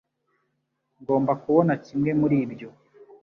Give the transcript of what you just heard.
Ngomba kubona kimwe muri ibyo